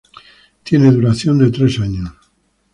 Tiene duración de tres años.